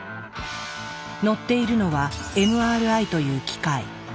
乗っているのはＭＲＩという機械。